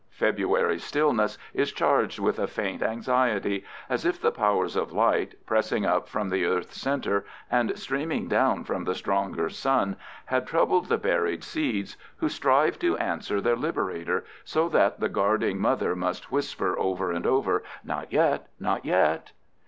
February's stillness is charged with a faint anxiety, as if the powers of light, pressing up from the earth's center and streaming down from the stronger sun, had troubled the buried seeds, who strive to answer their liberator, so that the guarding mother must whisper over and over, "Not yet, not yet!"